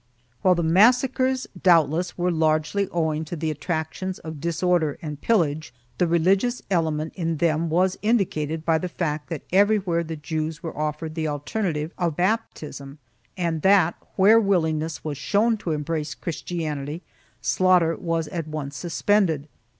While the massacres, doubtless, were largely owing to the attractions of disorder and pillage, the relig ious element in them was indicated by the fact that everywhere the Jews were offered the alternative of baptism and that where willingness was shown to embrace Christianity, slaughter was at once suspended.